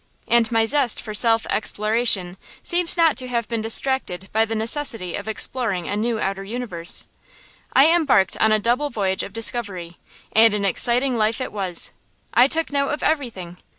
And my zest for self exploration seems not to have been distracted by the necessity of exploring a new outer universe. I embarked on a double voyage of discovery, and an exciting life it was! I took note of everything.